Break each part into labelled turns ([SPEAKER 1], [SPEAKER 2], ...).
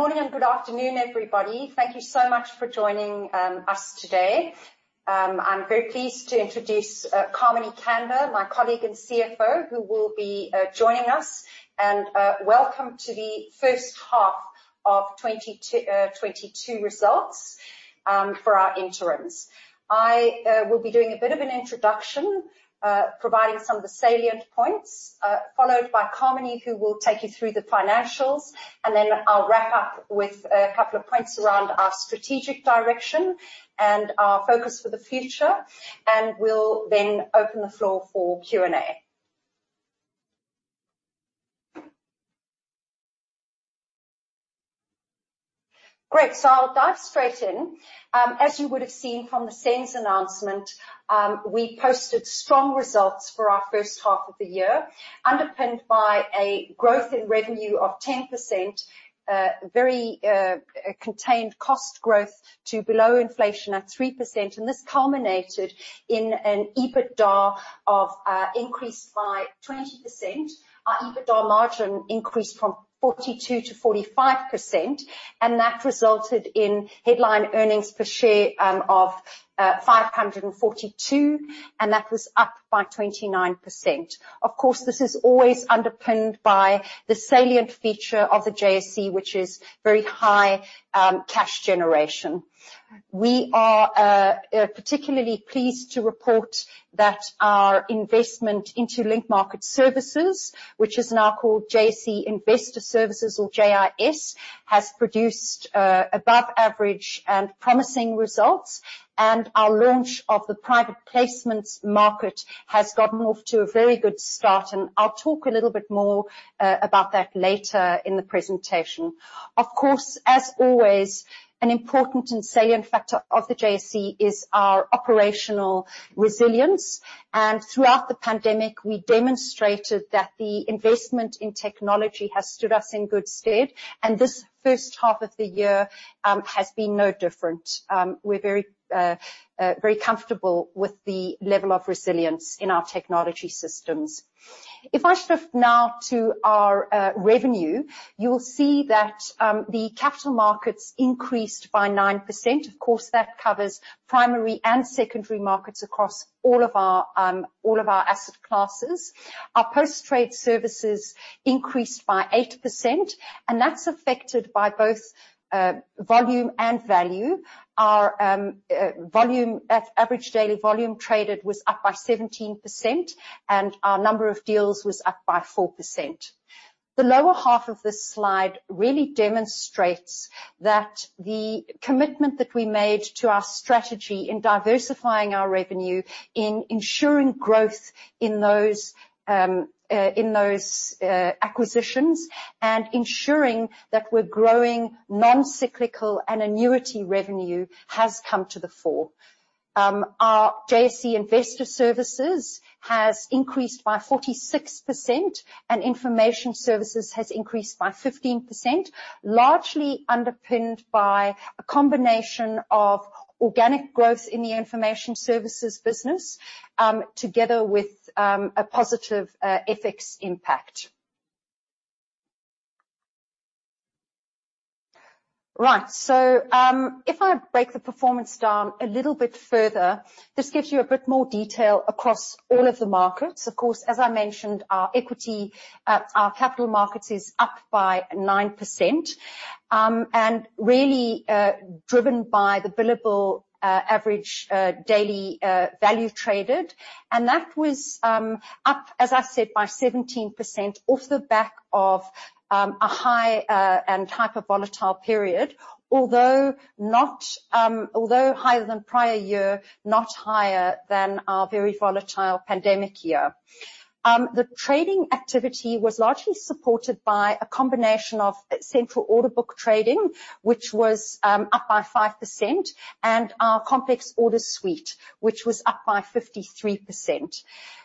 [SPEAKER 1] Good morning and good afternoon, everybody. Thank you so much for joining us today. I'm very pleased to introduce Carmini Kander, my colleague and CFO, who will be joining us. Welcome to the first half of 2022 results for our interims. I will be doing a bit of an introduction, providing some of the salient points, followed by Carmini Kander, who will take you through the financials. Then I'll wrap up with a couple of points around our strategic direction and our focus for the future. We'll then open the floor for Q&A. Great. So I'll dive straight in. As you would have seen from the SENS announcement, we posted strong results for our first half of the year, underpinned by a growth in revenue of 10%, very contained cost growth to below inflation at 3%, and this culminated in an EBITDA increased by 20%. Our EBITDA margin increased from 42%-45%, and that resulted in headline earnings per share of 542, and that was up by 29%. Of course, this is always underpinned by the salient feature of the JSE, which is very high cash generation. We are particularly pleased to report that our investment into Link Market Services, which is now called JSE Investor Services or JIS, has produced above average and promising results. Our launch of the private placements market has gotten off to a very good start, and I'll talk a little bit more about that later in the presentation. Of course, as always, an important and salient factor of the JSE is our operational resilience. Throughout the pandemic, we demonstrated that the investment in technology has stood us in good stead, and this first half of the year has been no different. We're very comfortable with the level of resilience in our technology systems. If I shift now to our revenue, you'll see that the capital markets increased by 9%. Of course, that covers primary and secondary markets across all of our asset classes. Our post-trade services increased by 8%, and that's affected by both volume and value. Our average daily volume traded was up by 17%, and our number of deals was up by 4%. The lower half of this slide really demonstrates that the commitment that we made to our strategy in diversifying our revenue, in ensuring growth in those acquisitions, and ensuring that we're growing non-cyclical and annuity revenue has come to the fore. Our JSE Investor Services has increased by 46%, and Information Services has increased by 15%, largely underpinned by a combination of organic growth in the Information Services business, together with a positive FX impact. Right. If I break the performance down a little bit further, this gives you a bit more detail across all of the markets. Of course, as I mentioned, our equity capital markets is up by 9%, and really driven by the billable average daily value traded. That was up, as I said, by 17% off the back of a high and hyper volatile period. Although higher than prior year, not higher than our very volatile pandemic year. The trading activity was largely supported by a combination of central order book trading, which was up by 5%, and our complex order suite, which was up by 53%.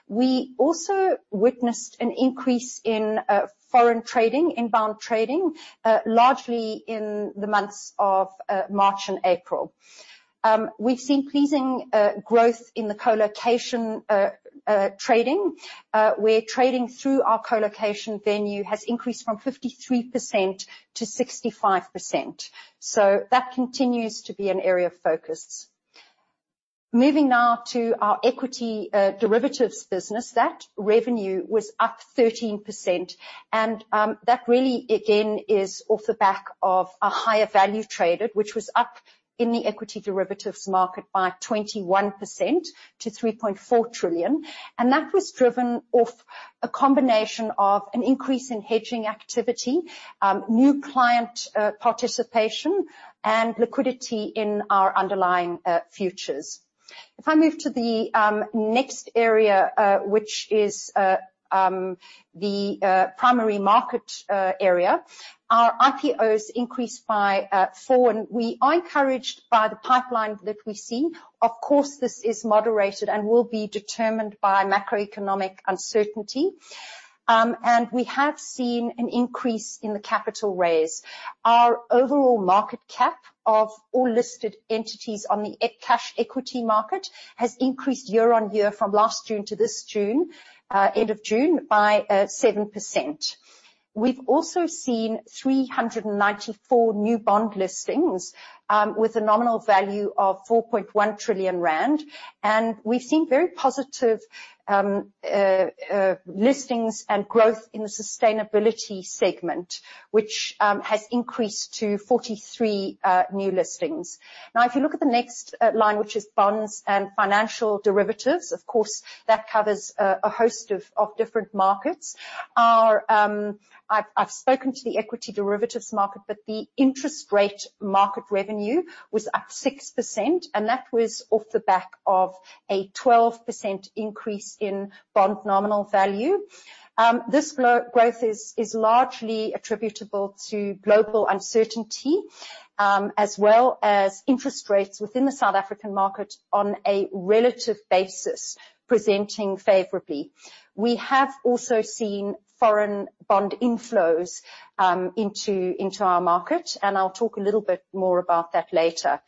[SPEAKER 1] We also witnessed an increase in foreign trading, inbound trading, largely in the months of March and April. We've seen pleasing growth in the colocation trading. We're trading through our colocation venue has increased from 53%-65%, so that continues to be an area of focus. Moving now to our equity derivatives business. That revenue was up 13%. That really, again, is off the back of a higher value traded, which was up in the equity derivatives market by 21% to 3.4 trillion. That was driven off a combination of an increase in hedging activity, new client participation, and liquidity in our underlying futures. If I move to the next area, which is the primary market area. Our IPOs increased by 4%, and we are encouraged by the pipeline that we see. Of course, this is moderated and will be determined by macroeconomic uncertainty. We have seen an increase in the capital raise. Our overall market cap of all listed entities on the cash equity market has increased year-on-year from last June to this June, end of June, by 7%. We've also seen 394 new bond listings with a nominal value of 4.1 trillion rand. We've seen very positive listings and growth in the sustainability segment, which has increased to 43 new listings. Now, if you look at the next line, which is bonds and financial derivatives, of course, that covers a host of different markets. I've spoken to the equity derivatives market, but the interest rate market revenue was up 6%, and that was off the back of a 12% increase in bond nominal value. This growth is largely attributable to global uncertainty, as well as interest rates within the South African market on a relative basis, presenting favorably. We have also seen foreign bond inflows into our market, and I'll talk a little bit more about that later.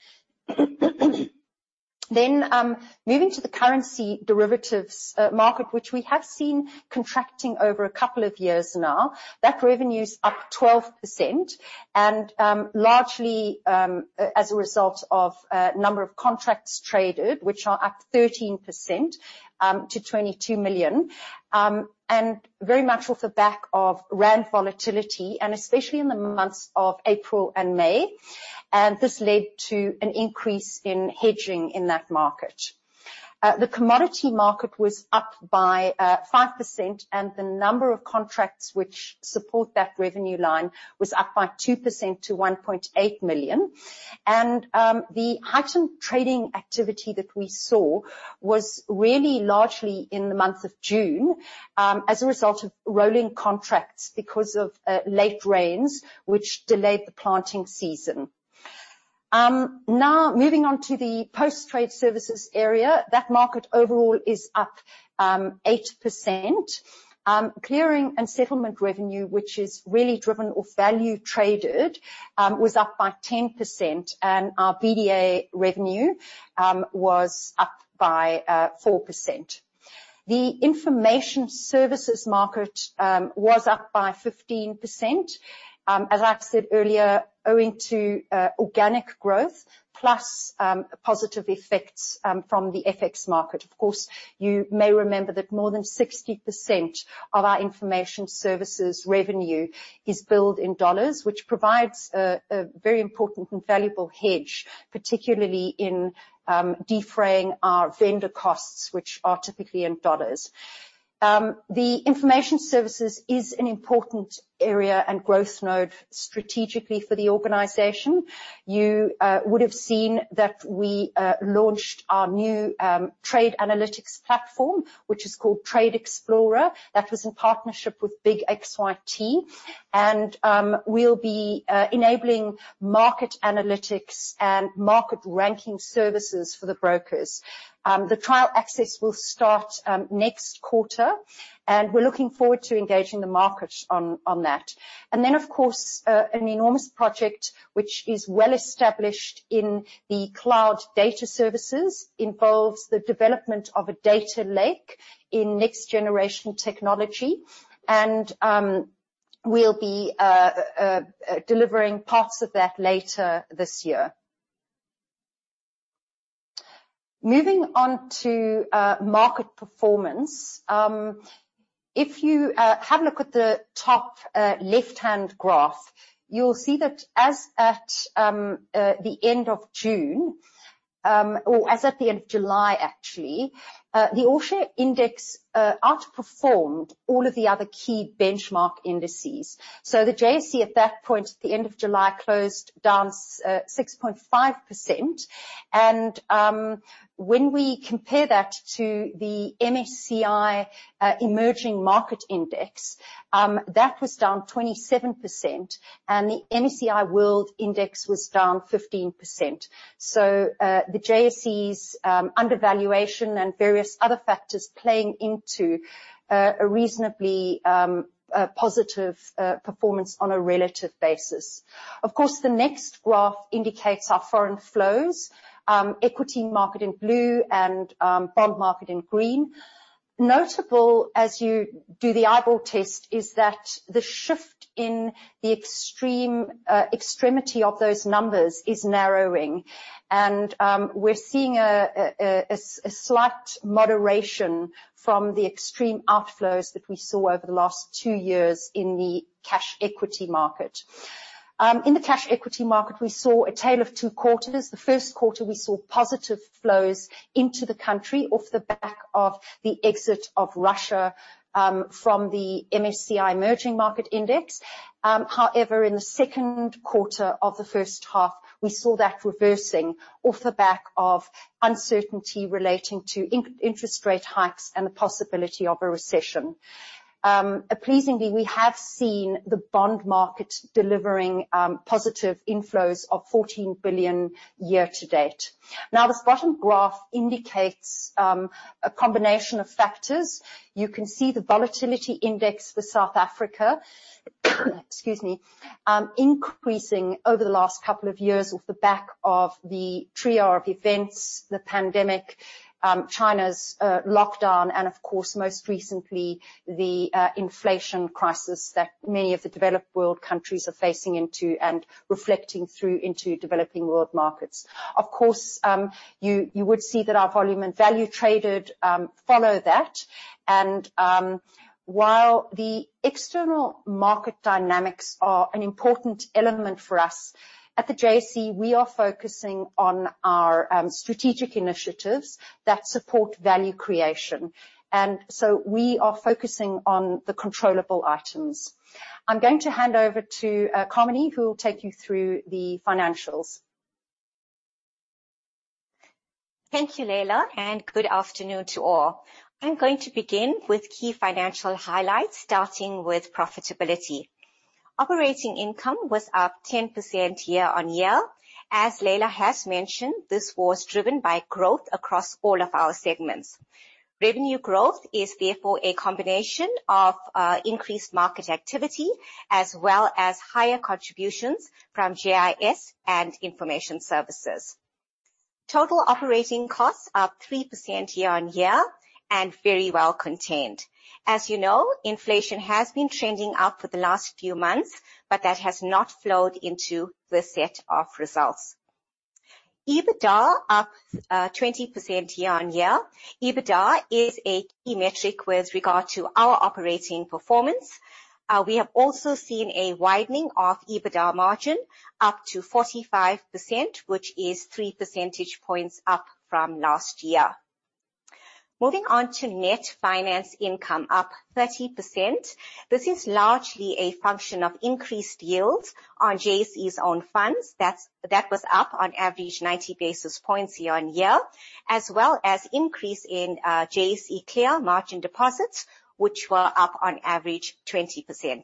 [SPEAKER 1] Moving to the currency derivatives market, which we have seen contracting over a couple of years now. That revenue's up 12% and, largely, as a result of number of contracts traded, which are up 13% to 22 million, and very much off the back of rand volatility, and especially in the months of April and May. This led to an increase in hedging in that market. The commodity market was up by 5%, and the number of contracts which support that revenue line was up by 2% to 1.8 million. The heightened trading activity that we saw was really largely in the month of June, as a result of rolling contracts because of late rains which delayed the planting season. Now moving on to the post-trade services area. That market overall is up 8%. Clearing and settlement revenue, which is really driven off value traded, was up by 10%, and our BDA revenue was up by 4%. The information services market was up by 15%. As I've said earlier, owing to organic growth plus positive effects from the FX market. Of course, you may remember that more than 60% of our information services revenue is billed in U.S. dollars, which provides a very important and valuable hedge, particularly in defraying our vendor costs, which are typically in U.S. dollars. The information services is an important area and growth node strategically for the organization. You would have seen that we launched our new trade analytics platform, which is called Trade Explorer. That was in partnership with Big XYT. We'll be enabling market analytics and market ranking services for the brokers. The trial access will start next quarter, and we're looking forward to engaging the market on that. Of course, an enormous project which is well established in the cloud data services involves the development of a data lake in next-generation technology. We'll be delivering parts of that later this year. Moving on to market performance. If you have a look at the top left-hand graph, you'll see that as at the end of June or as at the end of July, actually, the All Share Index outperformed all of the other key benchmark indices. The JSE at that point, at the end of July, closed down 6.5%. When we compare that to the MSCI Emerging Markets Index, that was down 27%, and the MSCI World Index was down 15%. The JSE's undervaluation and various other factors playing into a reasonably positive performance on a relative basis. Of course, the next graph indicates our foreign flows, equity market in blue and bond market in green. Notable, as you do the eyeball test, is that the shift in the extreme extremity of those numbers is narrowing. We're seeing a slight moderation from the extreme outflows that we saw over the last two years in the cash equity market. In the cash equity market, we saw a tale of two quarters. The first quarter, we saw positive flows into the country off the back of the exit of Russia from the MSCI Emerging Markets Index. However, in the second quarter of the first half, we saw that reversing off the back of uncertainty relating to interest rate hikes and the possibility of a recession. Pleasingly, we have seen the bond market delivering positive inflows of 14 billion year-to-date. Now, this bottom graph indicates a combination of factors. You can see the volatility index for South Africa increasing over the last couple of years off the back of the trio of events, the pandemic, China's lockdown, and of course, most recently, the inflation crisis that many of the developed world countries are facing into and reflecting through into developing world markets. Of course, you would see that our volume and value traded follow that. While the external market dynamics are an important element for us, at the JSE, we are focusing on our strategic initiatives that support value creation, and so we are focusing on the controllable items. I'm going to hand over to Carmini, who will take you through the financials.
[SPEAKER 2] Thank you, Leila, and good afternoon to all. I'm going to begin with key financial highlights, starting with profitability. Operating income was up 10% year-on-year. As Leila has mentioned, this was driven by growth across all of our segments. Revenue growth is therefore a combination of, increased market activity as well as higher contributions from JIS and Information Services. Total operating costs are 3% year-on-year and very well contained. As you know, inflation has been trending up for the last few months, but that has not flowed into this set of results. EBITDA up 20% year-on-year. EBITDA is a key metric with regard to our operating performance. We have also seen a widening of EBITDA margin up to 45%, which is 3% points up from last year. Moving on to net finance income up 30%. This is largely a function of increased yields on JSE's own funds. That was up on average 90 basis points year-on-year, as well as increase in JSE Clear margin deposits, which were up on average 20%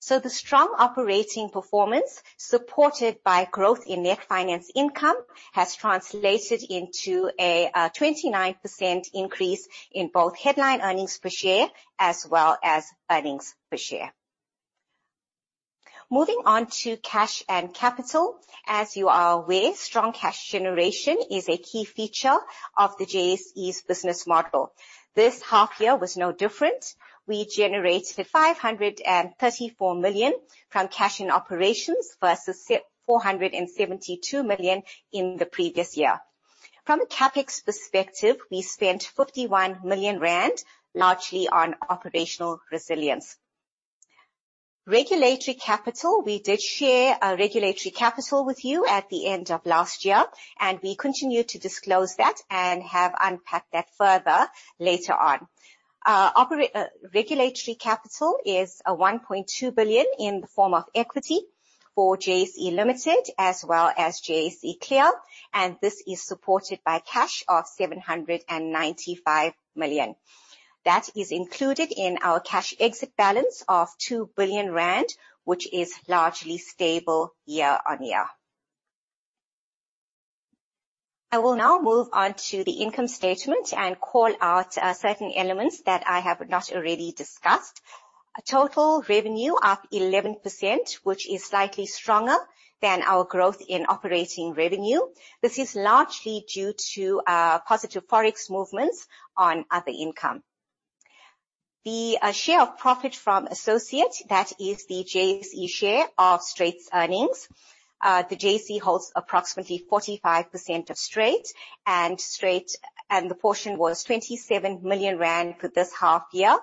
[SPEAKER 2] year-on-year. The strong operating performance, supported by growth in net finance income, has translated into a 29% increase in both headline earnings per share as well as earnings per share. Moving on to cash and capital. As you are aware, strong cash generation is a key feature of the JSE's business model. This half year was no different. We generated 534 million from cash in operations versus 472 million in the previous year. From a CapEx perspective, we spent 51 million rand, largely on operational resilience. Regulatory capital, we did share our regulatory capital with you at the end of last year, and we continue to disclose that and have unpacked that further later on. Regulatory capital is 1.2 billion in the form of equity for JSE Limited as well as JSE Clear, and this is supported by cash of 795 million. That is included in our cash exit balance of 2 billion rand, which is largely stable year-on-year. I will now move on to the income statement and call out certain elements that I have not already discussed. Total revenue up 11%, which is slightly stronger than our growth in operating revenue. This is largely due to positive Forex movements on other income. The share of profit from associate, that is the JSE share of Strate earnings. The JSE holds approximately 45% of Strate, and the portion was 27 million rand for this half year,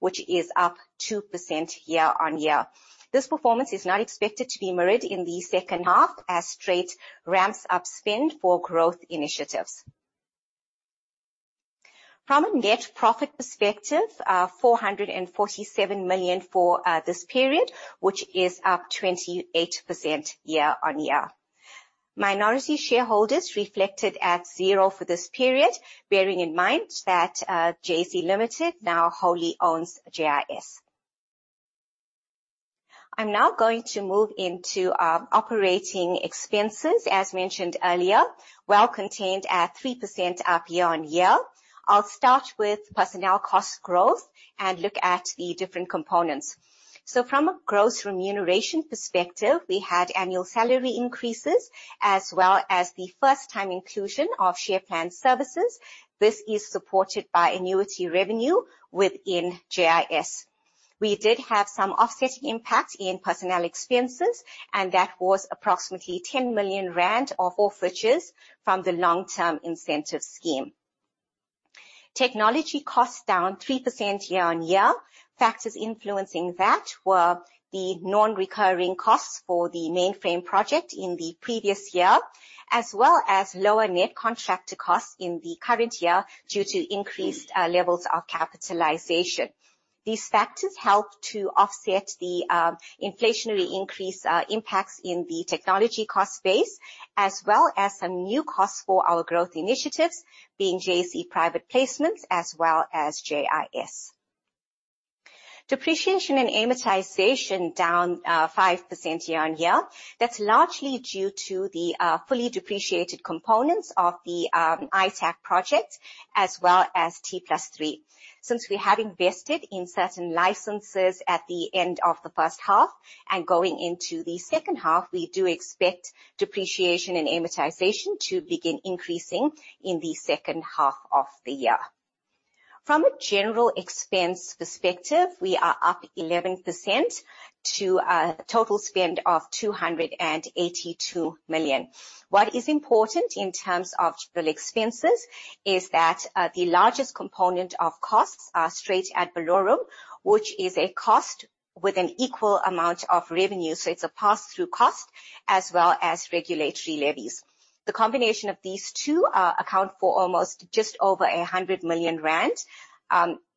[SPEAKER 2] which is up 2% year-on-year. This performance is not expected to be mirrored in the second half as Strate ramps up spend for growth initiatives. From a net profit perspective, 447 million for this period, which is up 28% year-on-year. Minority shareholders reflected at 0 for this period, bearing in mind that, JSE Limited now wholly owns JIS. I'm now going to move into our operating expenses. As mentioned earlier, well contained at 3% up year-on-year. I'll start with personnel cost growth and look at the different components. From a growth remuneration perspective, we had annual salary increases as well as the first time inclusion of share plan services. This is supported by annuity revenue within JIS. We did have some offsetting impact in personnel expenses, and that was approximately 10 million rand of forfeitures from the long-term incentive scheme. Technology costs down 3% year-on-year. Factors influencing that were the non-recurring costs for the mainframe project in the previous year, as well as lower net contractor costs in the current year due to increased levels of capitalization. These factors helped to offset the inflationary increase impacts in the technology cost base, as well as some new costs for our growth initiatives, being JSE Private Placements as well as JIS. Depreciation and amortization down 5% year-on-year. That's largely due to the fully depreciated components of the ITaC project, as well as T+3. Since we have invested in certain licenses at the end of the first half and going into the second half, we do expect depreciation and amortization to begin increasing in the second half of the year. From a general expense perspective, we are up 11% to a total spend of 282 million. What is important in terms of general expenses is that, the largest component of costs are Strate ad valorem, which is a cost with an equal amount of revenue. It's a pass-through cost as well as regulatory levies. The combination of these two, account for almost just over 100 million rand,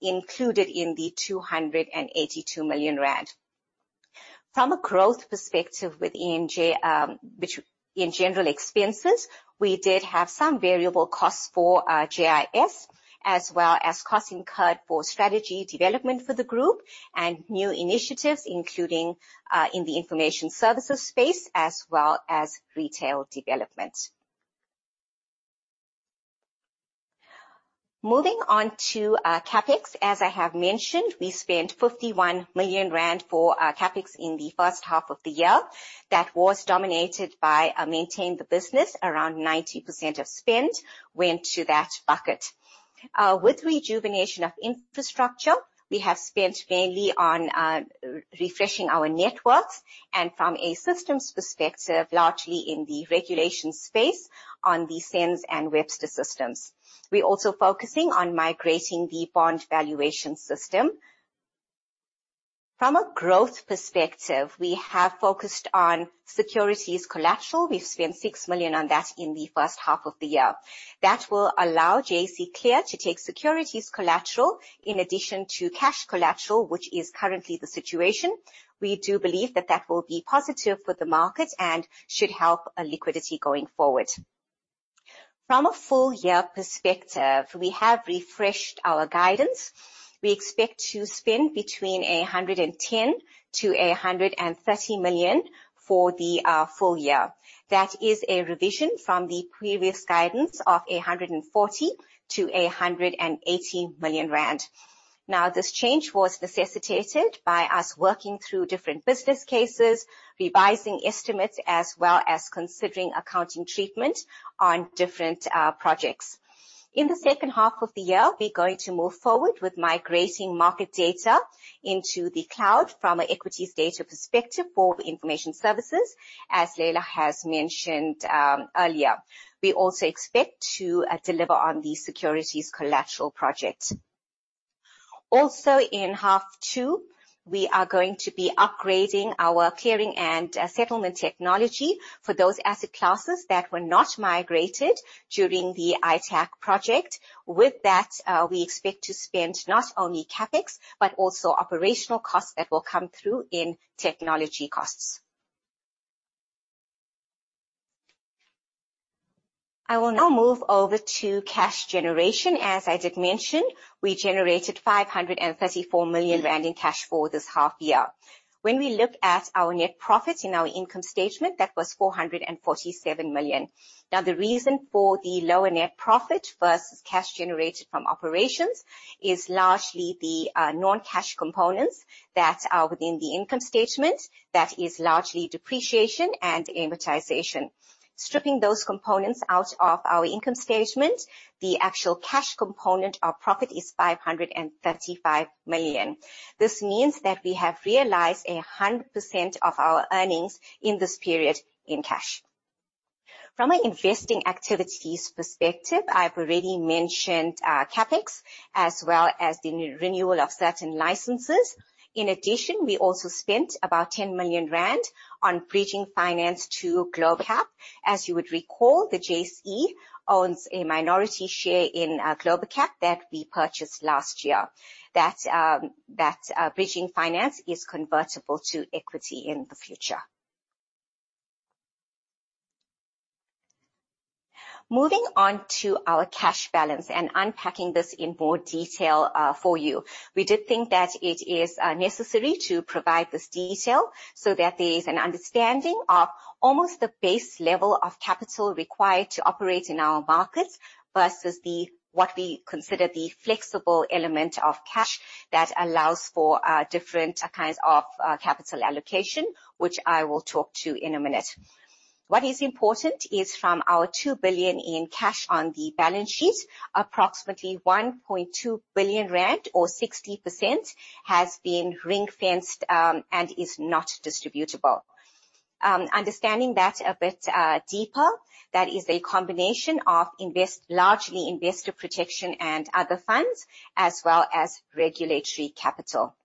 [SPEAKER 2] included in the 282 million rand. From a growth perspective with NG, which in general expenses, we did have some variable costs for JIS, as well as costs incurred for strategy development for the group and new initiatives, including in the information services space, as well as retail development. Moving on to CapEx. As I have mentioned, we spent 51 million rand for CapEx in the first half of the year. That was dominated by maintenance of the business. Around 90% of spend went to that bucket. With rejuvenation of infrastructure, we have spent mainly on refreshing our networks and from a systems perspective, largely in the regulatory space on the SENS and Webster systems. We're also focusing on migrating the bond valuation system. From a growth perspective, we have focused on securities collateral. We've spent 6 million on that in the first half of the year. That will allow JSE Clear to take securities collateral in addition to cash collateral, which is currently the situation. We do believe that that will be positive for the market and should help liquidity going forward. From a full year perspective, we have refreshed our guidance. We expect to spend between 110 million to 130 million for the full year. That is a revision from the previous guidance of 140 million-180 million rand. Now, this change was necessitated by us working through different business cases, revising estimates, as well as considering accounting treatment on different projects. In the second half of the year, we're going to move forward with migrating market data into the cloud from an equities data perspective for information services, as Leila has mentioned earlier. We also expect to deliver on the securities collateral project. Also, in half two, we are going to be upgrading our clearing and settlement technology for those asset classes that were not migrated during the ITaC project. With that, we expect to spend not only CapEx, but also operational costs that will come through in technology costs. I will now move over to cash generation. As I did mention, we generated 534 million rand in cash for this half year. When we look at our net profit in our income statement, that was 447 million. Now, the reason for the lower net profit versus cash generated from operations is largely the non-cash components that are within the income statement. That is largely depreciation and amortization. Stripping those components out of our income statement, the actual cash component of profit is 535 million. This means that we have realized 100% of our earnings in this period in cash. From an investing activities perspective, I've already mentioned CapEx as well as the new renewal of certain licenses. In addition, we also spent about 10 million rand on bridging finance to Globacap. As you would recall, the JSE owns a minority share in Globacap that we purchased last year. That bridging finance is convertible to equity in the future. Moving on to our cash balance and unpacking this in more detail for you. We did think that it is necessary to provide this detail so that there is an understanding of almost the base level of capital required to operate in our markets versus what we consider the flexible element of cash that allows for different kinds of capital allocation, which I will talk to in a minute. What is important is from our 2 billion in cash on the balance sheet, approximately 1.2 billion rand or 60% has been ring-fenced and is not distributable. Understanding that a bit deeper, that is a combination of largely investor protection and other funds, as well as regulatory capital.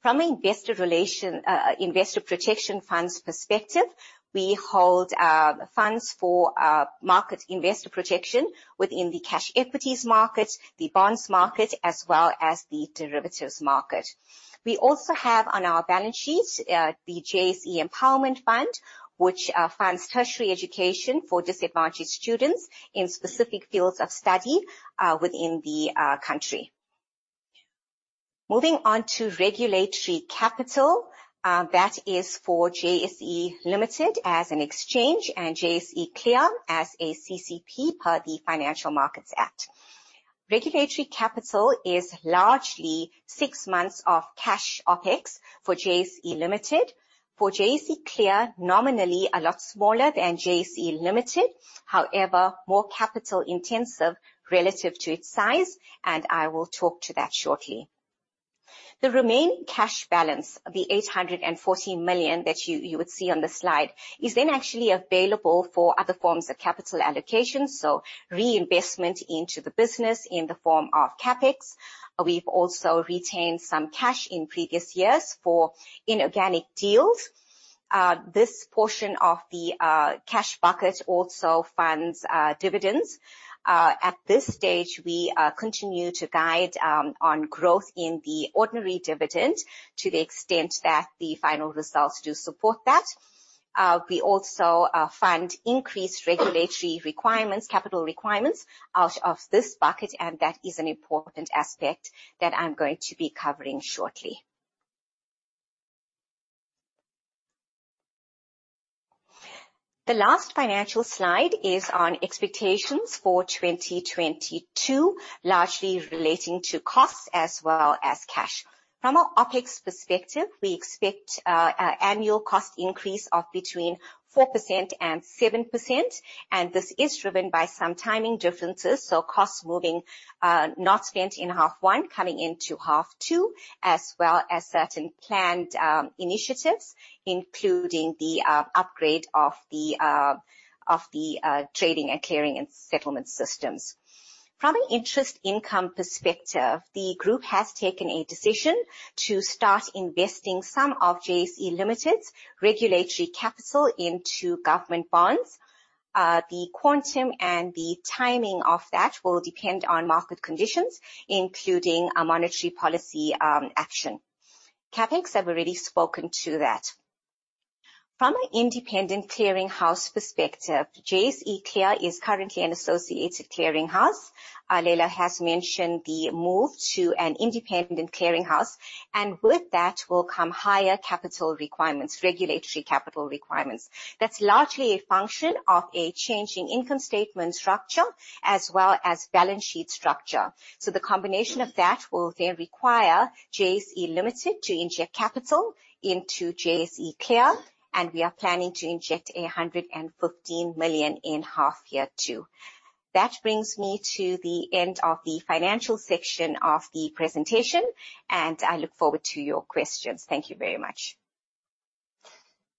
[SPEAKER 2] From an investor relations investor protection funds perspective, we hold funds for market investor protection within the cash equities market, the bonds market, as well as the derivatives market. We also have on our balance sheet the JSE Empowerment Fund, which funds tertiary education for disadvantaged students in specific fields of study within the country. Moving on to regulatory capital, that is for JSE Limited as an exchange and JSE Clear as a CCP, per the Financial Markets Act. Regulatory capital is largely six months of cash OpEx for JSE Limited. For JSE Clear, nominally a lot smaller than JSE Limited, however, more capital intensive relative to its size, and I will talk to that shortly. The remaining cash balance of 814 million that you would see on the slide is then actually available for other forms of capital allocations, so reinvestment into the business in the form of CapEx. We've also retained some cash in previous years for inorganic deals. This portion of the cash bucket also funds dividends. At this stage, we continue to guide on growth in the ordinary dividend to the extent that the final results do support that. We also fund increased regulatory requirements, capital requirements out of this bucket, and that is an important aspect that I'm going to be covering shortly. The last financial slide is on expectations for 2022, largely relating to costs as well as cash. From an OpEx perspective, we expect an annual cost increase of between 4%-7%, and this is driven by some timing differences. Costs moving, not spent in half one coming into half two, as well as certain planned initiatives, including the upgrade of the trading and clearing and settlement systems. From an interest income perspective, the group has taken a decision to start investing some of JSE Limited's regulatory capital into government bonds. The quantum and the timing of that will depend on market conditions, including a monetary policy action. CapEx, I've already spoken to that. From an independent clearing house perspective, JSE Clear is currently an associated clearing house. Leila has mentioned the move to an independent clearing house, and with that will come higher capital requirements, regulatory capital requirements. That's largely a function of a changing income statement structure as well as balance sheet structure. The combination of that will then require JSE Limited to inject capital into JSE Clear, and we are planning to inject 115 million in half year two. That brings me to the end of the financial section of the presentation, and I look forward to your questions. Thank you very much.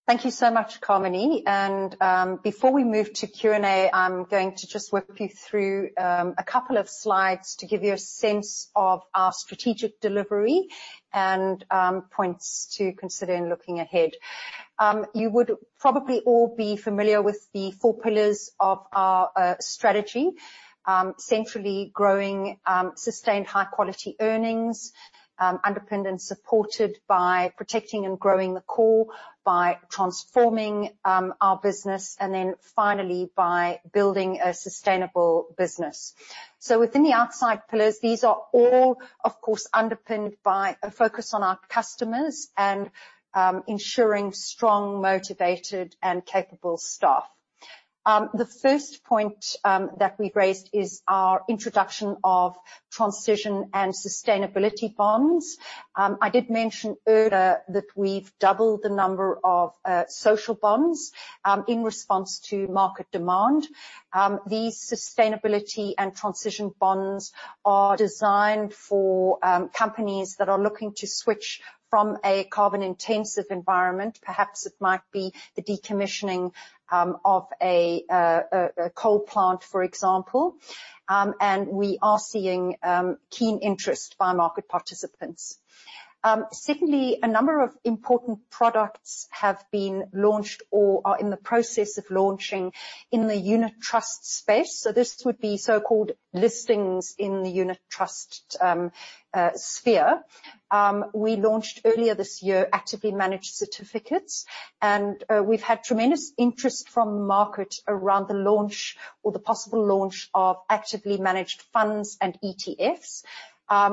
[SPEAKER 1] Thank you so much, Carmini. Before we move to Q&A, I'm going to just walk you through a couple of slides to give you a sense of our strategic delivery and points to consider in looking ahead. You would probably all be familiar with the four pillars of our strategy. Centrally growing sustained high quality earnings, underpinned and supported by protecting and growing the core by transforming our business, and then finally, by building a sustainable business. Within the outside pillars, these are all, of course, underpinned by a focus on our customers and ensuring strong, motivated, and capable staff. The first point that we've raised is our introduction of transition and sustainability bonds. I did mention earlier that we've doubled the number of social bonds in response to market demand. These sustainability and transition bonds are designed for companies that are looking to switch from a carbon-intensive environment. Perhaps it might be the decommissioning of a coal plant, for example. We are seeing keen interest by market participants. Secondly, a number of important products have been launched or are in the process of launching in the unit trust space. This would be so-called listings in the unit trust sphere. We launched earlier this year Actively Managed Certificates, and we've had tremendous interest from the market around the launch or the possible launch of actively managed funds and ETFs.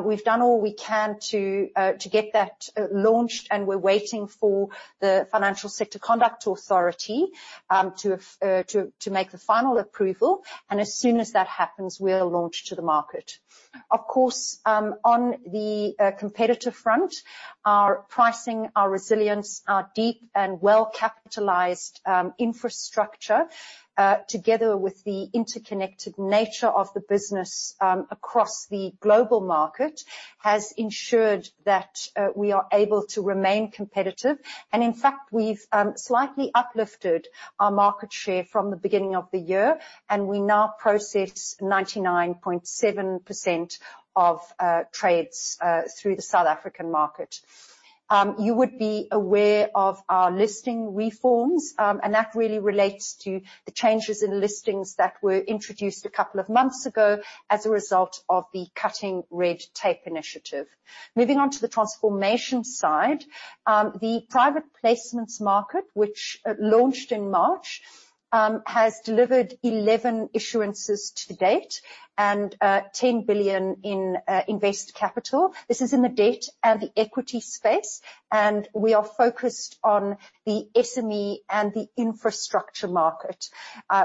[SPEAKER 1] We've done all we can to get that launched, and we're waiting for the Financial Sector Conduct Authority to make the final approval. And as soon as that happens, we'll launch to the market. Of course, on the competitive front, our pricing, our resilience, our deep and well-capitalized infrastructure, together with the interconnected nature of the business across the global market, has ensured that we are able to remain competitive. In fact, we've slightly uplifted our market share from the beginning of the year, and we now process 99.7% of trades through the South African market. You would be aware of our listing reforms, and that really relates to the changes in listings that were introduced a couple of months ago as a result of the cutting red tape initiative. Moving on to the transformation side. The private placements market, which launched in March, has delivered 11 issuances to date and 10 billion in invest capital. This is in the debt and the equity space, and we are focused on the SME and the infrastructure market.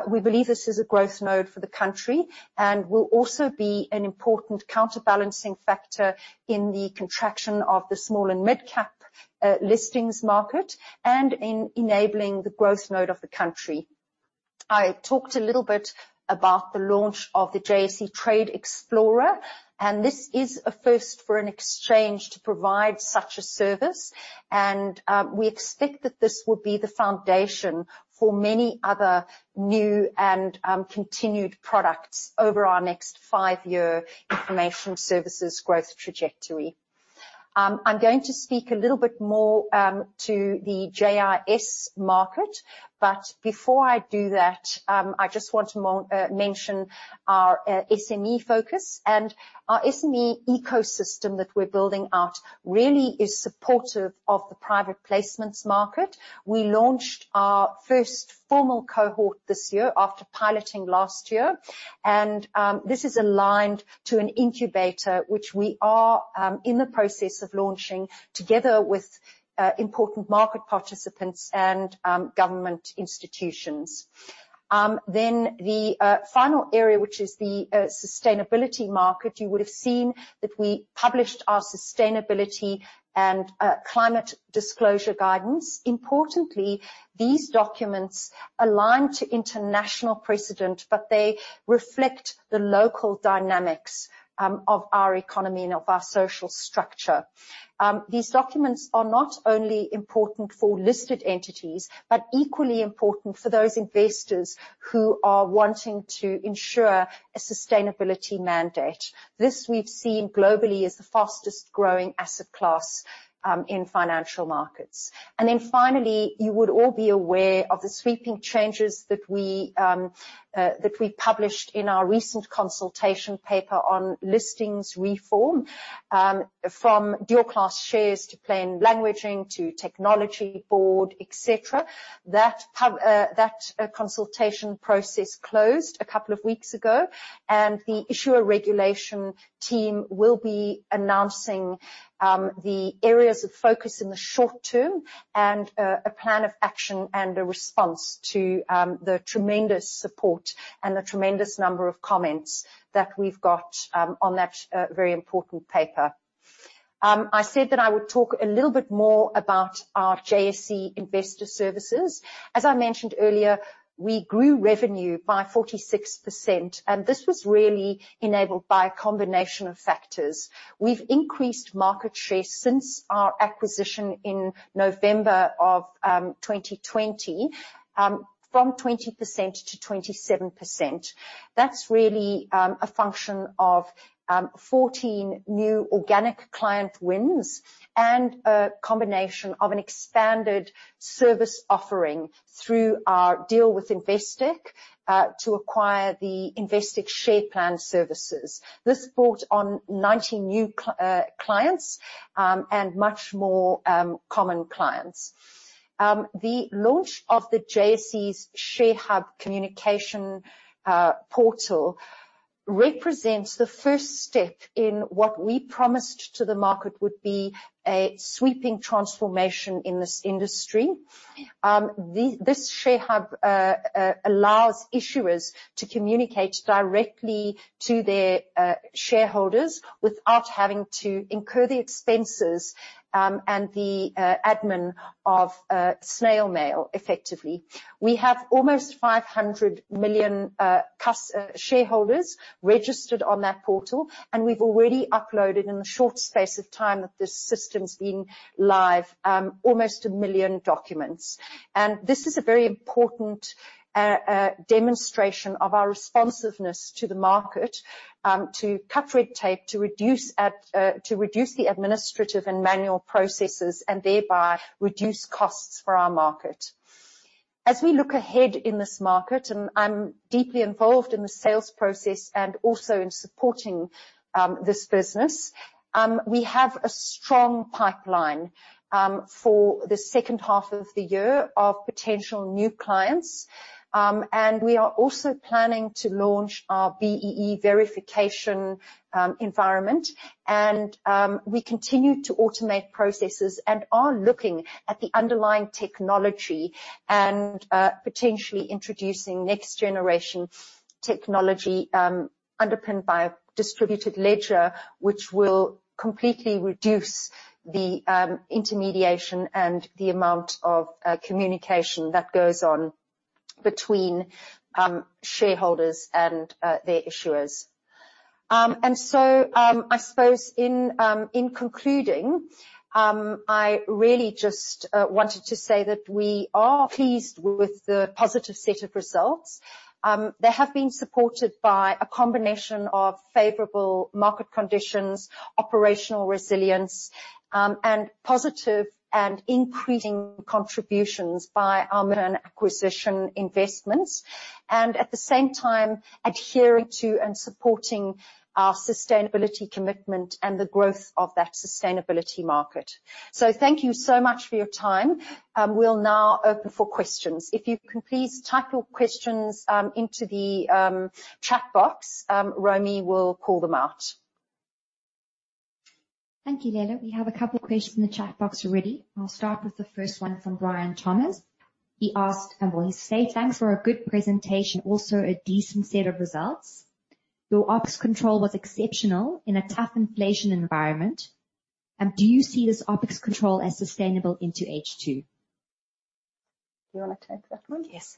[SPEAKER 1] We believe this is a growth mode for the country and will also be an important counterbalancing factor in the contraction of the small and mid-cap listings market and in enabling the growth mode of the country. I talked a little bit about the launch of the JSE Trade Explorer, and this is a first for an exchange to provide such a service. We expect that this will be the foundation for many other new and continued products over our next five-year information services growth trajectory. I'm going to speak a little bit more to the JIS market, but before I do that, I just want to mention our SME focus. Our SME ecosystem that we're building out really is supportive of the private placements market. We launched our first formal cohort this year after piloting last year, and this is aligned to an incubator, which we are in the process of launching together with important market participants and government institutions. The final area, which is the sustainability market. You would have seen that we published our sustainability and climate disclosure guidance. Importantly, these documents align to international precedent, but they reflect the local dynamics of our economy and of our social structure. These documents are not only important for listed entities, but equally important for those investors who are wanting to ensure a sustainability mandate. This, we've seen globally, is the fastest-growing asset class in financial markets. Then finally, you would all be aware of the sweeping changes that we published in our recent consultation paper on listings reform, from dual class shares to plain languaging to technology board, et cetera. That consultation process closed a couple of weeks ago, and the issuer regulation team will be announcing the areas of focus in the short term and a plan of action and a response to the tremendous support and the tremendous number of comments that we've got on that very important paper. I said that I would talk a little bit more about our JSE Investor Services. As I mentioned earlier, we grew revenue by 46%, and this was really enabled by a combination of factors. We've increased market share since our acquisition in November of 2020 from 20% to 27%. That's really a function of 14 new organic client wins and a combination of an expanded service offering through our deal with Investec to acquire the Investec Share Plan Services. This brought on 90 new clients and much more common clients. The launch of the JSE's ShareHub communication portal represents the first step in what we promised to the market would be a sweeping transformation in this industry. This ShareHub allows issuers to communicate directly to their shareholders without having to incur the expenses and the admin of snail mail, effectively. We have almost 500 million shareholders registered on that portal, and we've already uploaded in the short space of time that this system's been live almost 1 million documents. This is a very important demonstration of our responsiveness to the market to cut red tape, to reduce the administrative and manual processes, and thereby reduce costs for our market. As we look ahead in this market, and I'm deeply involved in the sales process and also in supporting this business, we have a strong pipeline for the second half of the year of potential new clients. We are also planning to launch our BEE verification environment. We continue to automate processes and are looking at the underlying technology and potentially introducing next-generation technology underpinned by a distributed ledger, which will completely reduce the intermediation and the amount of communication that goes on between shareholders and their issuers. I suppose in concluding I really just wanted to say that we are pleased with the positive set of results. They have been supported by a combination of favorable market conditions, operational resilience, and positive and increasing contributions by our acquisition investments. At the same time adhering to and supporting our sustainability commitment and the growth of that sustainability market. Thank you so much for your time. We'll now open for questions. If you can please type your questions into the chat box, Romy will call them out.
[SPEAKER 3] Thank you, Leila. We have a couple questions in the chat box already. I'll start with the first one from Brian Thomas. He asked, well, he says, "Thanks for a good presentation, also a decent set of results. Your OpEx control was exceptional in a tough inflation environment. Do you see this OpEx control as sustainable into H2?"
[SPEAKER 1] Do you wanna take that one?
[SPEAKER 2] Yes.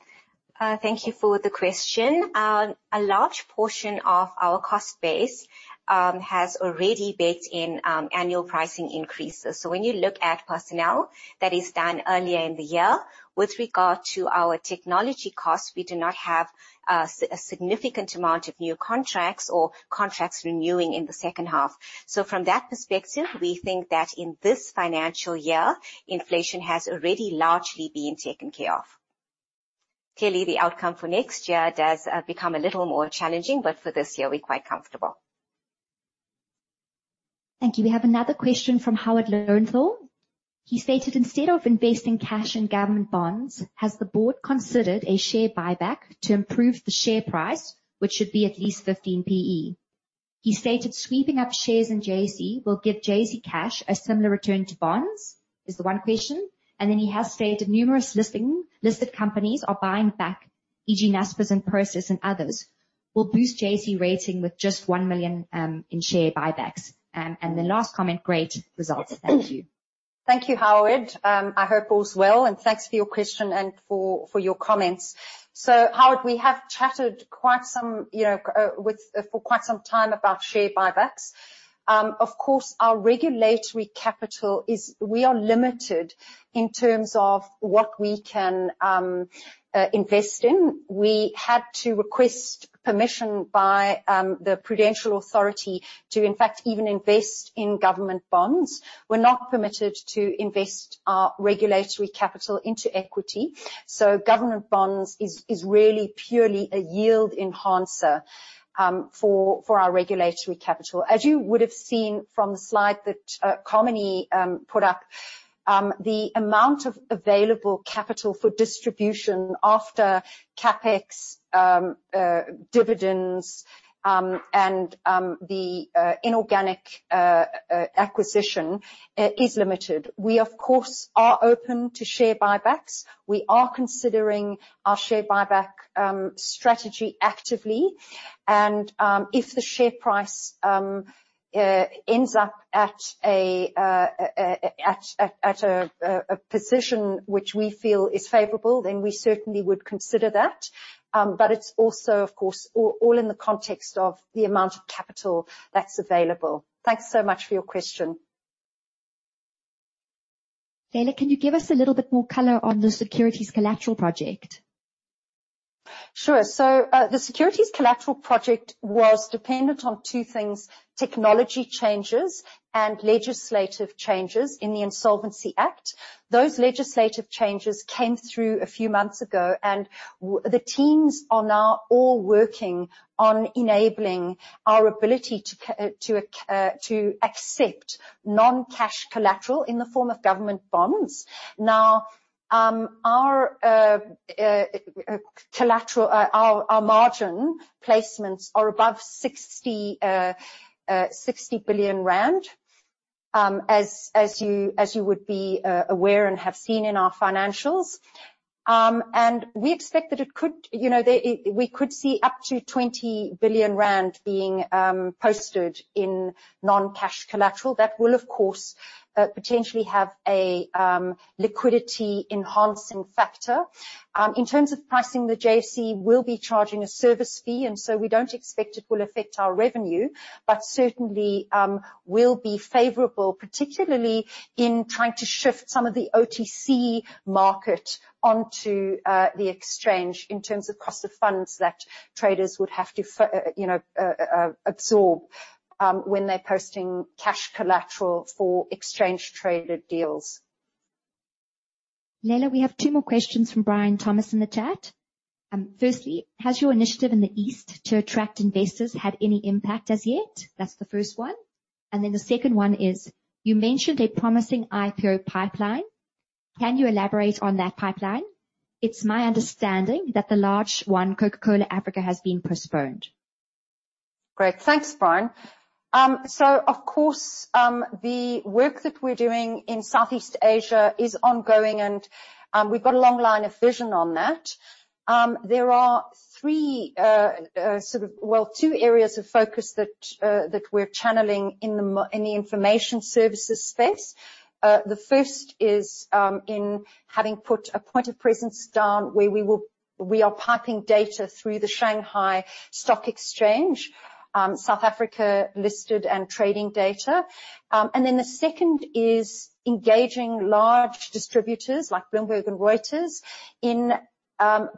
[SPEAKER 2] Thank you for the question. A large portion of our cost base has already baked in annual pricing increases. When you look at personnel, that is done earlier in the year. With regard to our technology costs, we do not have a significant amount of new contracts or contracts renewing in the second half. From that perspective, we think that in this financial year, inflation has already largely been taken care of. Clearly, the outcome for next year does become a little more challenging, but for this year, we're quite comfortable.
[SPEAKER 3] Thank you. We have another question from Howard [Lurie]. He stated, "Instead of investing cash in government bonds, has the board considered a share buyback to improve the share price, which should be at least 15 PE?" He stated, "Sweeping up shares in JSE will give JSE cash a similar return to bonds," is the one question. He has stated, "Listed companies are buying back, e.g., Naspers and Prosus and others, will boost JSE rating with just 1 million in share buybacks." The last comment, "Great results. Thank you.
[SPEAKER 1] Thank you, Howard. I hope all is well, and thanks for your question and for your comments. Howard, we have chatted quite some, you know, for quite some time about share buybacks. Of course, our regulatory capital is we are limited in terms of what we can invest in. We had to request permission by the Prudential Authority to, in fact, even invest in government bonds. We're not permitted to invest our regulatory capital into equity, so government bonds is really purely a yield enhancer for our regulatory capital. As you would have seen from the slide that Carmini put up, the amount of available capital for distribution after CapEx, dividends, and the inorganic acquisition is limited. We, of course, are open to share buybacks. We are considering our share buyback strategy actively, and if the share price ends up at a position which we feel is favorable, then we certainly would consider that. It's also, of course, all in the context of the amount of capital that's available. Thanks so much for your question.
[SPEAKER 3] Leila, can you give us a little bit more color on the securities collateral project?
[SPEAKER 1] Sure. The securities collateral project was dependent on two things, technology changes and legislative changes in the Insolvency Act. Those legislative changes came through a few months ago, and the teams are now all working on enabling our ability to accept non-cash collateral in the form of government bonds. Now, our collateral, our margin placements are above ZAR 60 billion, as you would be aware and have seen in our financials. We expect that it could. You know, we could see up to 20 billion rand being posted in non-cash collateral. That will, of course, potentially have a liquidity enhancing factor. In terms of pricing, the JSE will be charging a service fee, and so we don't expect it will affect our revenue, but certainly will be favorable, particularly in trying to shift some of the OTC market onto the exchange in terms of cost of funds that traders would have to, you know, absorb when they're posting cash collateral for exchange traded deals.
[SPEAKER 3] Leila, we have two more questions from Brian Thomas in the chat. Firstly, has your initiative in the East to attract investors had any impact as yet? That's the first one. The second one is, you mentioned a promising IPO pipeline. Can you elaborate on that pipeline? It's my understanding that the large one, Coca-Cola Beverages Africa, has been postponed.
[SPEAKER 1] Great. Thanks, Brian. Of course, the work that we're doing in Southeast Asia is ongoing, and we've got a long line of vision on that. There are three, sort of, well, two areas of focus that we're channeling in the information services space. The first is in having put a point of presence down where we are piping data through the Shanghai Stock Exchange, South Africa listed and trading data. Then the second is engaging large distributors like Bloomberg and Reuters in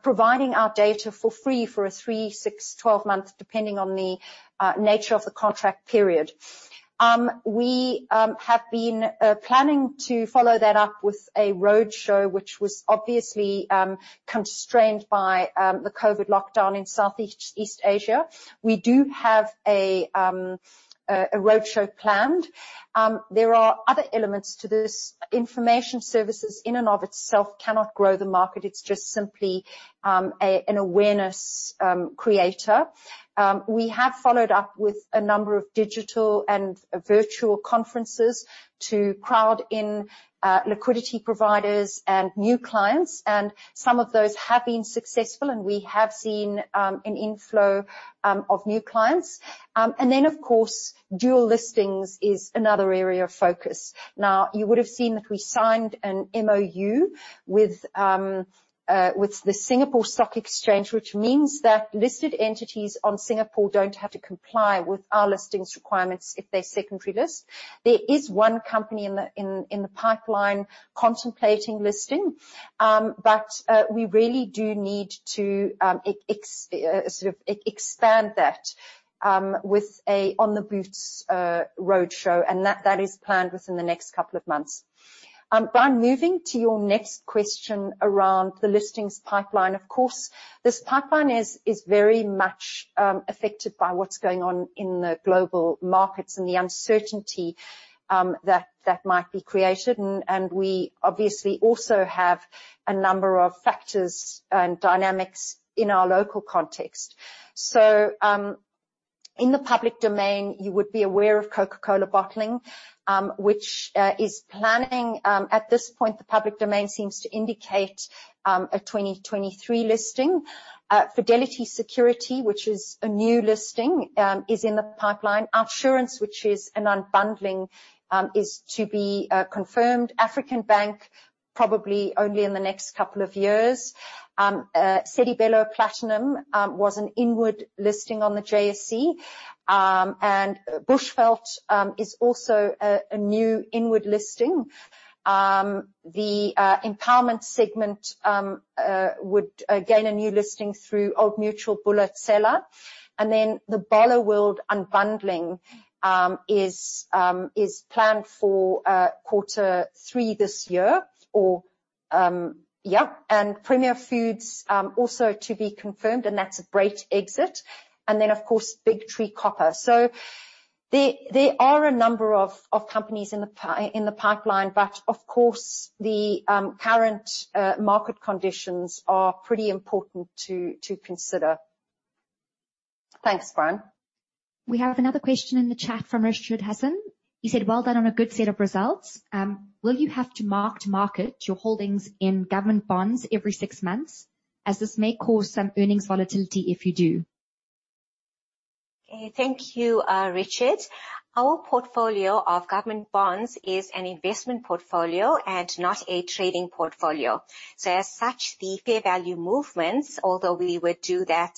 [SPEAKER 1] providing our data for free for a three, six, 12 month, depending on the nature of the contract period. We have been planning to follow that up with a roadshow, which was obviously constrained by the COVID lockdown in Southeast Asia. We do have a roadshow planned. There are other elements to this. Information services in and of itself cannot grow the market. It's just simply an awareness creator. We have followed up with a number of digital and virtual conferences to crowd in liquidity providers and new clients, and some of those have been successful, and we have seen an inflow of new clients. Of course, dual listings is another area of focus. Now, you would have seen that we signed an MOU with the Singapore Exchange, which means that listed entities on Singapore don't have to comply with our listings requirements if they're secondary list. There is one company in the pipeline contemplating listing. We really do need to expand that with an investor roadshow, and that is planned within the next couple of months. Brian, moving to your next question around the listings pipeline. Of course, this pipeline is very much affected by what's going on in the global markets and the uncertainty that might be created. We obviously also have a number of factors and dynamics in our local context. In the public domain, you would be aware of Coca-Cola Beverages Africa, which is planning, at this point, the public domain seems to indicate, a 2023 listing. Fidelity Services Group, which is a new listing, is in the pipeline. OUTsurance, which is an unbundling, is to be confirmed. African Bank, probably only in the next couple of years. Sedibelo Resources Limited was an inward listing on the JSE. Bushveld Minerals is also a new inward listing. The empowerment segment would gain a new listing through Old Mutual Bula Tsela. The Barloworld unbundling is planned for quarter three this year. Yeah. Premier Group also to be confirmed, and that's a BEE exit. Of course, Big Tree Copper. There are a number of companies in the pipeline, but of course, the current market conditions are pretty important to consider. Thanks, Brian.
[SPEAKER 3] We have another question in the chat from Richard Hassan. He said, "Well done on a good set of results. Will you have to mark-to-market your holdings in government bonds every six months, as this may cause some earnings volatility if you do?
[SPEAKER 2] Okay. Thank you, Richard. Our portfolio of government bonds is an investment portfolio and not a trading portfolio. As such, the fair value movements, although we would do that,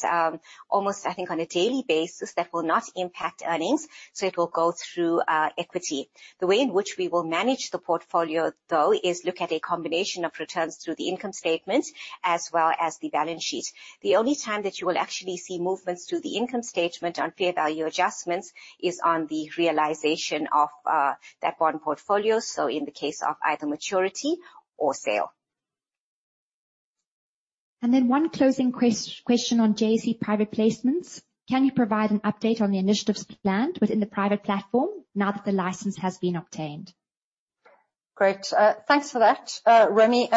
[SPEAKER 2] almost, I think, on a daily basis, that will not impact earnings, so it will go through equity. The way in which we will manage the portfolio, though, is look at a combination of returns through the income statement as well as the balance sheet. The only time that you will actually see movements through the income statement on fair value adjustments is on the realization of that bond portfolio, so in the case of either maturity or sale.
[SPEAKER 3] One closing question on JSE Private Placements. Can you provide an update on the initiatives planned within the private platform now that the license has been obtained?
[SPEAKER 1] Great. Thanks for that, Romy.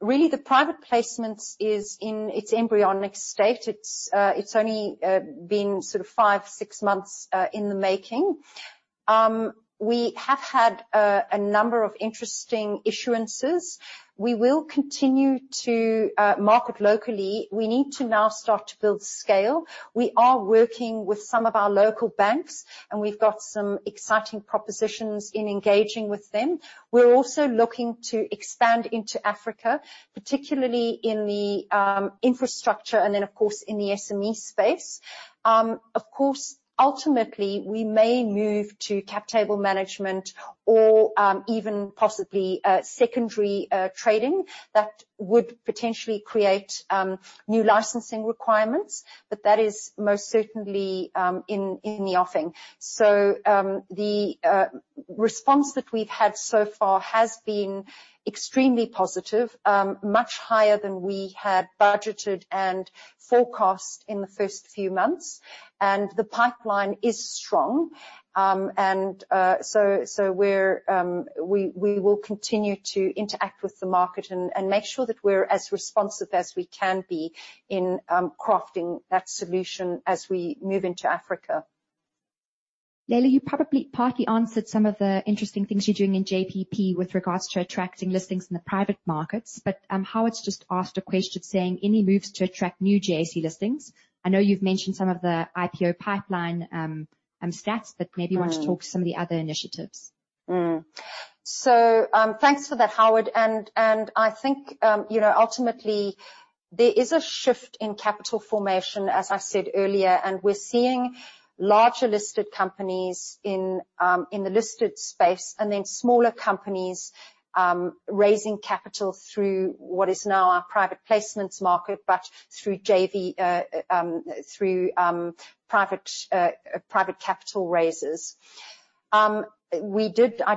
[SPEAKER 1] Really the private placements is in its embryonic state. It's only been sort of five to six months in the making. We have had a number of interesting issuances. We will continue to market locally. We need to now start to build scale. We are working with some of our local banks, and we've got some exciting propositions in engaging with them. We're also looking to expand into Africa, particularly in the infrastructure and then, of course, in the SME space. Of course, ultimately, we may move to cap table management or even possibly secondary trading that would potentially create new licensing requirements, but that is most certainly in the offing. The response that we've had so far has been extremely positive, much higher than we had budgeted and forecast in the first few months. The pipeline is strong. We will continue to interact with the market and make sure that we're as responsive as we can be in crafting that solution as we move into Africa.
[SPEAKER 3] Leila, you probably partly answered some of the interesting things you're doing in JPP with regards to attracting listings in the private markets, but, Howard's just asked a question saying any moves to attract new JSE listings. I know you've mentioned some of the IPO pipeline, stats, but maybe you want to talk through some of the other initiatives.
[SPEAKER 1] Thanks for that, Howard and I think you know, ultimately, there is a shift in capital formation, as I said earlier, and we're seeing larger listed companies in the listed space, and then smaller companies raising capital through what is now our private placements market, but through JV through private capital raises. I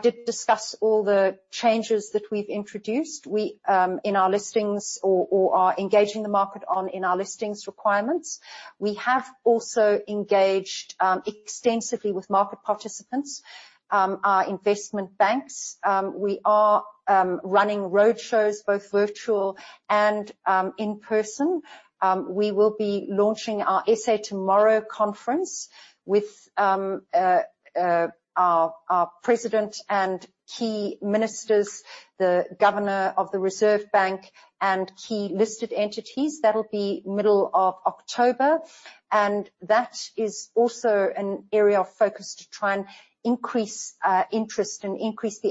[SPEAKER 1] did discuss all the changes that we've introduced. We in our listings or are engaging the market on in our listings requirements. We have also engaged extensively with market participants our investment banks. We are running roadshows, both virtual and in person. We will be launching our SA Tomorrow conference with our president and key ministers, the governor of the Reserve Bank, and key listed entities. That'll be middle of October. That is also an area of focus to try and increase interest and increase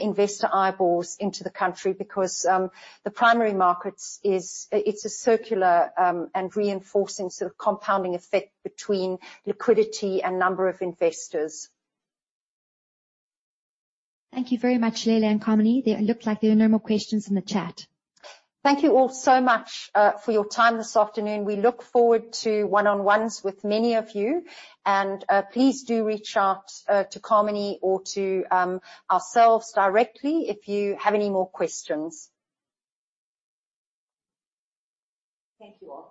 [SPEAKER 1] investor eyeballs into the country because the primary market is a circular and reinforcing sort of compounding effect between liquidity and number of investors.
[SPEAKER 3] Thank you very much, Leila and Carmini. It looked like there are no more questions in the chat.
[SPEAKER 1] Thank you all so much for your time this afternoon. We look forward to one-on-ones with many of you. Please do reach out to Carmini or to ourselves directly if you have any more questions.
[SPEAKER 2] Thank you all.